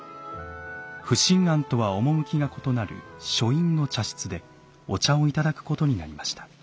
不審菴とは趣が異なる書院の茶室でお茶を頂くことになりました。